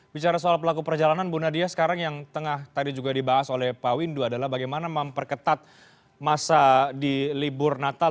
bicara soal pelaku perjalanan bu nadia sekarang yang tengah tadi juga dibahas oleh pak windu adalah bagaimana memperketat masa di libur natal